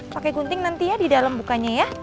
pakai gunting nanti ya di dalam bukanya ya